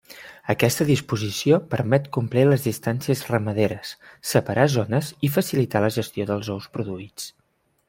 Aquesta disposició permet complir les distàncies ramaderes, separar zones i facilitar la gestió dels ous produïts.